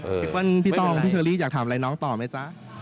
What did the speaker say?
พี่เปิ้ลพี่ตองพี่เชอรี่อยากถามอะไรน้องต่อไหมจ๊ะ